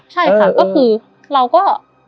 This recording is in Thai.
ใช่ค่ะก็คือเราก็